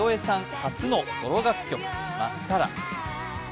初のソロ楽曲、「まっさら」。